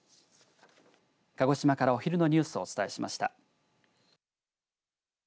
鹿児島からお昼のニュースをお伝えしました。